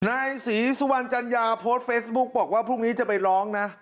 นายศรีสุวรรณจัญญาโพสต์เฟซบุ๊กบอกว่าพรุ่งนี้จะไปร้องนะ